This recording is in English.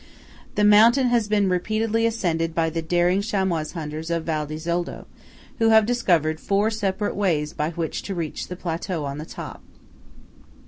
The mountain has been repeatedly ascended by the daring chamois hunters of Val di Zoldo, who have discovered four separate ways by which to reach the plateau on the top.